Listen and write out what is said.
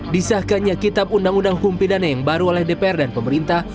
disahkannya kitab undang undang hukum pidana yang baru oleh dpr dan pemerintah